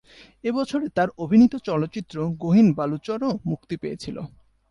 এ বছরে তার অভিনীত চলচ্চিত্র "গহীন বালুচর" ও মুক্তি পেয়েছিল।